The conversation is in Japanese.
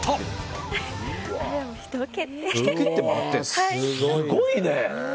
すごいね！